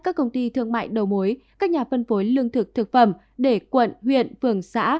các công ty thương mại đầu mối các nhà phân phối lương thực thực phẩm để quận huyện phường xã